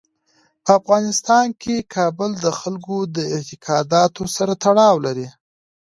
په افغانستان کې کابل د خلکو د اعتقاداتو سره تړاو لري.